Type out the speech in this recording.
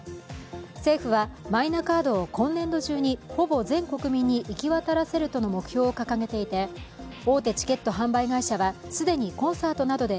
政府はマイナカードを今年度中にほぼ全国民に行き渡らせるとの目標を掲げていて大手チケット販売会社は既にコンサートなどで